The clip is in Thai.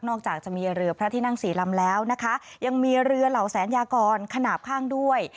จากจะมีเรือพระที่นั่งสี่ลำแล้วนะคะยังมีเรือเหล่าแสนยากรขนาดข้างด้วย